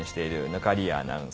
忽滑谷アナウンサー